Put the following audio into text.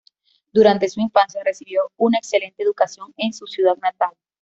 Durante su infancia recibió una excelente educación en su ciudad natal.